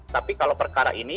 tapi kalau perkara lainnya ya